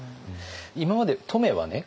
今まで乙女はね